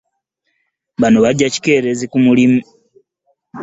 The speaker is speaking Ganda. Bonna bagya kikeerezi ku mulimu.